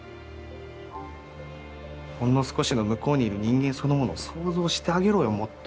ほんの少しの向こうにいる人間そのものを想像してあげろよもっと。